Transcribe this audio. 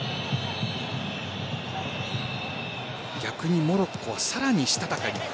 逆にモロッコはさらにしたたかに。